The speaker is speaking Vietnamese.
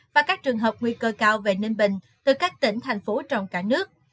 và các trường hợp nguy cơ cao về ninh bình từ các tỉnh thành phố trong cả nước